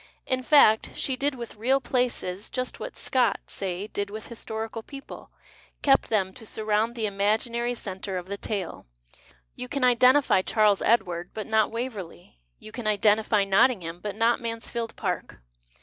In fact, she did with ical places just what Scott, say, did with historical people, kept them to surround the imaginary centre of the tale. You can " identify " Charles Edward, but not Waverlcy. You can " identify " Nottingham, but not Mansfield Park.